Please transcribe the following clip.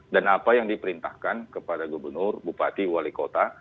dan apa yang diperintahkan kepada gubernur bupati wali kota